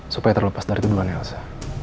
supaya terlepas dari tubuhan elsa